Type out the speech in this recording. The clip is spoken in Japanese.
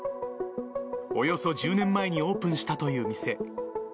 およそ１０年前にオープンしたという店。